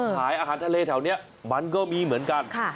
ขายอาหารทะเลแถวนี้มันก็มีเหมือนกัน